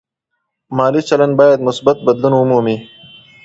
مالي چلند باید مثبت بدلون ومومي.